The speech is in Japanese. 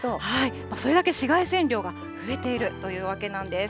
それだけ紫外線量が増えているというわけなんです。